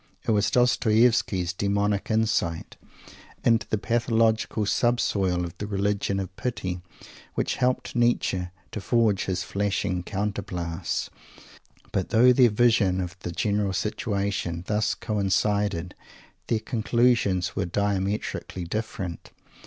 It was Dostoievsky's demonic insight into the pathological sub soil of the Religion of Pity which helped Nietzsche to forge his flashing counterblasts, but though their vision of the "general situation" thus coincided, their conclusions were diametrically different.